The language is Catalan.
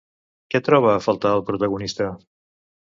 Què troba a faltar el protagonista?